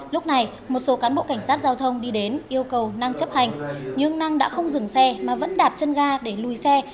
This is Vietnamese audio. lúc này một số cán bộ cảnh sát giao thông đi đến yêu cầu năng chấp hành nhưng năng đã không dừng xe mà vẫn đạp chân ga để lùi xe